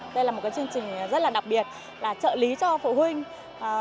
đây là một chương trình rất là đặc biệt là trợ lý cho phụ huynh